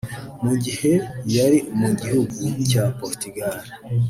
Mu gihe yari mu gihugu cya Portugal